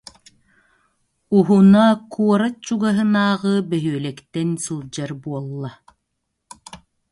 Уһуна куорат чугаһынааҕы бөһүөлэктэн сылдьар буолла